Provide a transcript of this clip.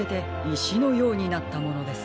いしのようになったものです。